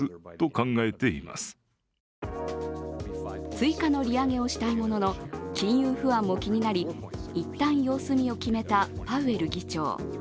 追加の利上げをしたいものの、金融不安も気になり、一旦様子見を決めたパウエル議長。